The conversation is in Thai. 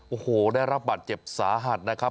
โอ้โหได้รับบัตรเจ็บสาหัสนะครับ